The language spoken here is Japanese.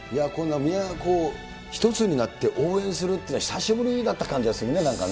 みんなが一つになって応援するっていうのは久しぶりだった感じがするね、なんかね。